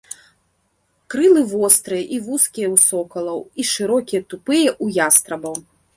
Крылы вострыя і вузкія ў сокалаў і шырокія, тупыя ў ястрабаў.